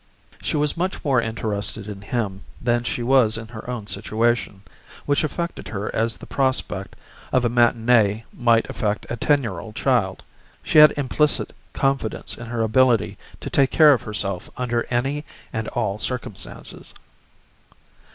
She was much more interested in him than she was in her own situation, which affected her as the prospect of a matineé might affect a ten year old child. She had implicit confidence in her ability to take care of herself under any and all circumstances.